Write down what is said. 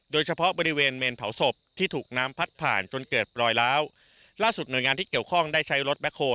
โดยเฉพาะบริเวณเมนเผาศพที่ถูกน้ำพัดผ่านจนเกิดรอยล้าวล่าสุดหน่วยงานที่เกี่ยวข้องได้ใช้รถแคล